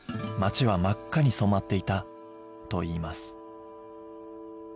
街は真っ赤に染まっていたといいます